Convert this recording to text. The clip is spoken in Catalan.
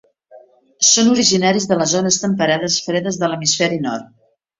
Són originaris de les zones temperades fredes de l'hemisferi nord.